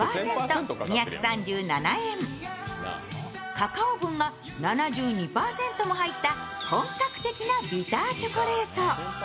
カカオ分が７２％も入った本格的なビターチョコレート。